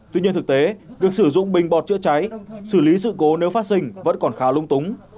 tuy nhiên thực tế việc sử dụng bình bọt chữa cháy xử lý sự cố nếu phát sinh vẫn còn khá lung túng